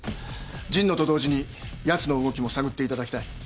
神野と同時にやつの動きも探っていただきたい。